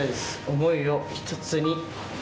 想いを一つに！